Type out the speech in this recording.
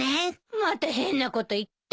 また変なこと言って。